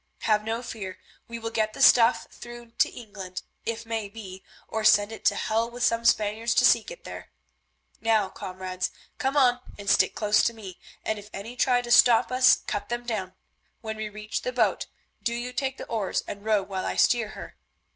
Have no fear, we will get the stuff through to England if may be, or send it to hell with some Spaniards to seek it there. Now, comrades, come on and stick close to me, and if any try to stop us cut them down. When we reach the boat do you take the oars and row while I steer her.